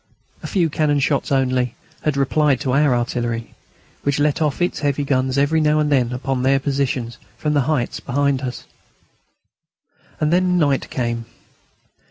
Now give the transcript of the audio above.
A few cannon shots only had replied to our artillery, which let off its heavy guns every now and then upon their positions from the heights behind us. And then night came.